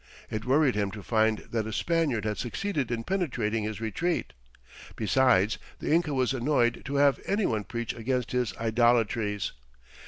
It worried him to find that a Spaniard had succeeded in penetrating his retreat. Besides, the Inca was annoyed to have any one preach against his "idolatries."